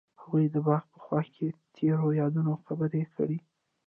هغوی د باغ په خوا کې تیرو یادونو خبرې کړې.